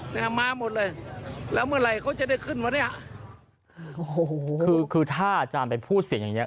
มาหมดเลยแล้วเมื่อไหร่เขาจะได้ขึ้นวะเนี้ยโอ้โหคือคือถ้าอาจารย์ไปพูดเสียงอย่างเงี้